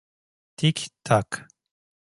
Tik tak.